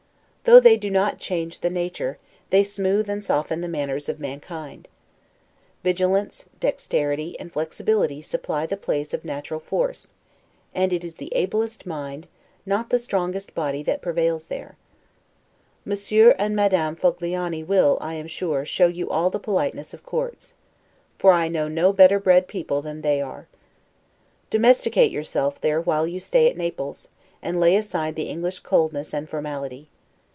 Though they do not change the nature, they smooth and soften the manners of mankind. Vigilance, dexterity, and flexibility supply the place of natural force; and it is the ablest mind, not the strongest body that prevails there. Monsieur and Madame Fogliani will, I am sure, show you all the politeness of courts; for I know no better bred people than they are. Domesticate yourself there while you stay at Naples, and lay aside the English coldness and formality.